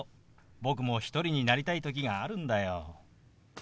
僕も一人になりたい時があるんだよ。